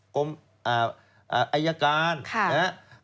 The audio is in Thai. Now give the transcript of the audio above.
กรมอ่าอัยการครับนะครับ